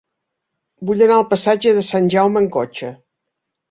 Vull anar al passatge de Sant Jaume amb cotxe.